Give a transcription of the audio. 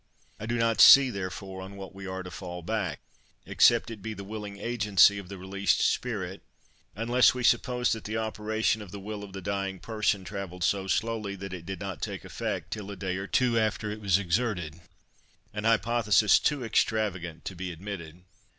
I do not see, therefore, on what we are to fall back, except it be the willing agency of the released spirit, unless we suppose that the operation of the will of the dying person travelled so slowly, that it did not take effect till a day or two after it was exerted—an hypothesis too extravagant to be admitted.